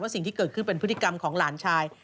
สิ่งที่เกิดขึ้นเป็นพฤติกรรมของหลานชาย